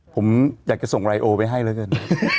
ผมอยากจะส่งรายโอไปให้แล้วกัน